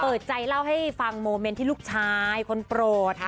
เปิดใจเล่าให้ฟังโมเมนต์ที่ลูกชายคนโปรด